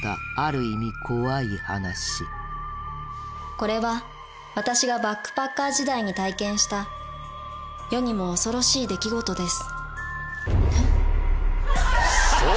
これは私がバックパッカー時代に体験した世にも恐ろしい出来事です